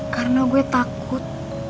karena gue takut